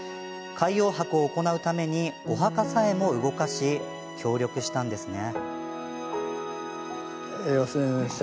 海洋博を行うためにお墓さえも動かし協力したんですね。